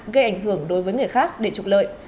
gây ảnh hưởng đối với người khác để trục lợi